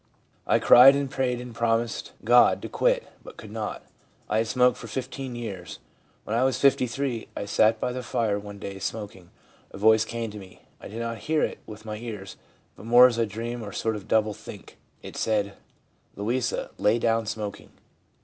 I cried and prayed and promised God to quit, but could not. I had smoked for 15 years. When I was 53, as I sat by the fire one day smok ing, a voice came to me. I did not hear it with my ears, but more as a dream or sort of double think. It said, " Louisa, lay down smoking."